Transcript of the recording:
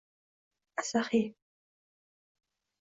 asaxiy